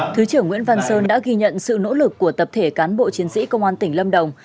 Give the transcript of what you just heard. thứ trưởng nguyễn văn sơn đã ghi nhận sự nỗ lực của tập thể cán bộ chiến sĩ công an tỉnh lâm đồng